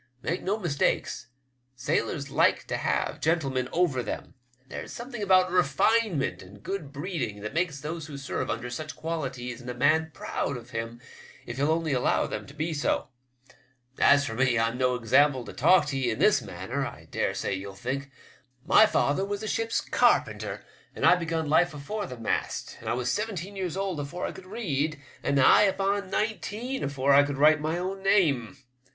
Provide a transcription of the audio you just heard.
Make no mistake, sailors like to have gentlemen over them. There's a something about refine ment and good breeding that makes those who serve under such qualities in a man proud of him if he'll only allow them to be so. As for me, I'm no example to talk to ye in this manner, I dare say yell think. My father was a ship's carpenter, and I begun life afore the mast, and I was seventeen years old afore I could read, and nigh upon nineteen afore I could write my own name."